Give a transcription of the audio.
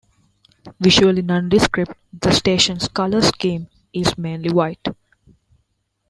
Visually nondescript, the station's colour scheme is mainly white.